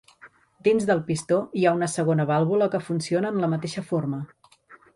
Dins del pistó, hi ha una segona vàlvula que funciona en la mateixa forma.